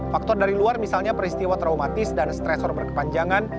faktor dari luar misalnya peristiwa traumatis dan stresor berkepanjangan